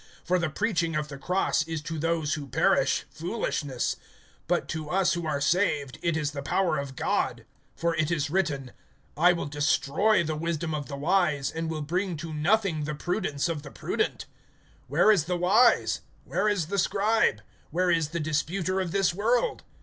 (18)For the preaching of the cross is to those who perish, foolishness; but to us who are saved, it is the power of God. (19)For it is written: I will destroy the wisdom of the wise, And will bring to nothing the prudence of the prudent. (20)Where is the wise? Where is the scribe? Where is the disputer of this world?